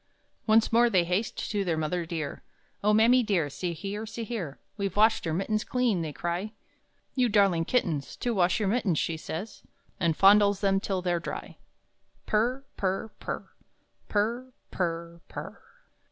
Once more they haste to their mother dear; "Oh mammy dear, see here, see here, We've washed our mittens clean!" they cry. "You darling kittens, To wash your mittens," She says, and fondles them till they're dry Purr, purr, purr, Purr pu r r p u r r!